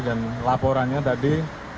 dan laporannya tadi